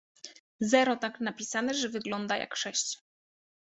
Zero tak napisane, że wygląda jak sześć.